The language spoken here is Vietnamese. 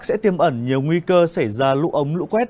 sẽ tiêm ẩn nhiều nguy cơ xảy ra lũ ống lũ quét